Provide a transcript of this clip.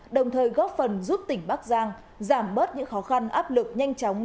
đồng thời góp phần giúp tỉnh bắc giang giảm bớt những khó khăn áp lực nhanh chóng